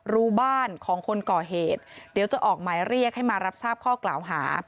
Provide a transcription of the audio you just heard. รู้บ้านของคนก่อเหตุเดี๋ยวจะออกหมายเรียกให้มารับทราบข้อกล่าวหา